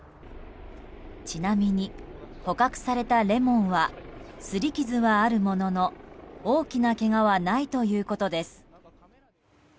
ちなみに、捕獲されたレモンはすり傷はあるものの大きなけがはないということです。